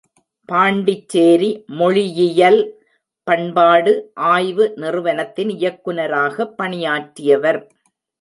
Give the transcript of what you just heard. பாண்டிச்சேரி மொழியியல் பண்பாட்டு ஆய்வு நிறுவனத்தின் இயக்குநராக பணியாற்றியவர்.